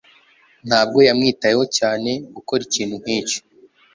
Ntabwo yamwitayeho cyane gukora ikintu nkicyo.